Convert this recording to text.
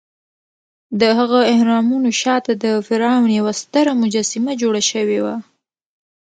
دهغه اهرامونو شاته د فرعون یوه ستره مجسمه جوړه شوې وه.